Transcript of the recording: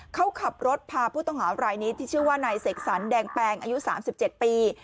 เขาขับรถพาผู้ต้องหารายนี้ที่ชื่อว่าไหนเสกสรรแดงแปลงอายุสามสิบเจ็ดปี